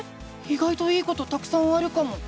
いがいといいことたくさんあるかも！